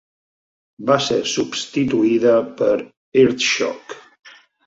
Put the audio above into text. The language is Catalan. Va ser substituïda per "Earthshock".